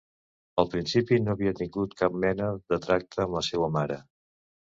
Al principi, no havia tingut cap mena de tracte amb la seua mare.